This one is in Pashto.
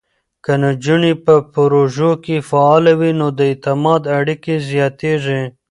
که نجونې په پروژو کې فعاله وي، نو د اعتماد اړیکې زیاتېږي.